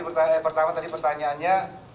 pertama tadi pertanyaannya